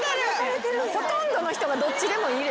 ほとんどの人がどっちでもいいですよ。